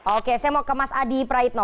oke saya mau ke mas adi praitno